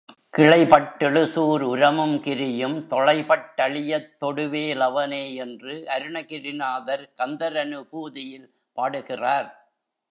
கிளைபட் டெழுசூர் உரமும் கிரியும் தொளைபட் டழியத் தொடுவே லவனே என்று அருணகிரிநாதர் கந்தரநுபூதியில் பாடுகிறார்.